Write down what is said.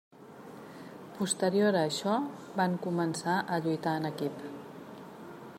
Posterior a això van començar a lluitar en equip.